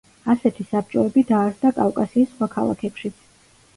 ასეთი საბჭოები დაარსდა კავკასიის სხვა ქალაქებშიც.